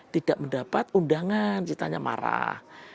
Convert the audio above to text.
tidak mendapat undangan ditanya marah